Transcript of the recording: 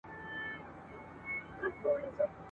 لکه دروېش لکه د شپې قلندر !.